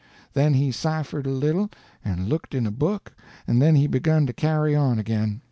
Then he ciphered a little and looked in a book, and then he begun to carry on again.